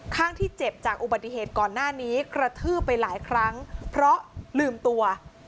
ข้างที่เจ็บจากอุบัติเหตุก่อนหน้านี้กระทืบไปหลายครั้งเพราะลืมตัว